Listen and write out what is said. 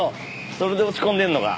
それで落ち込んでるのか。